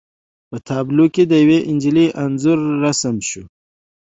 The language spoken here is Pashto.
په تابلو کې د یوې نجلۍ انځور رسم شوی و